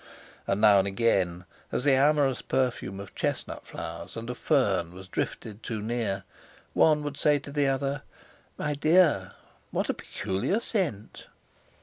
And now and again, as the amorous perfume of chestnut flowers and of fern was drifted too near, one would say to the other: "My dear! What a peculiar scent!"